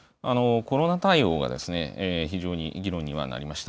コロナ対応が非常に議論にはなりました。